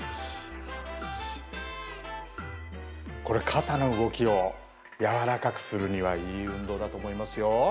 これ肩の動きをやわらかくするにはいい運動だと思いますよ。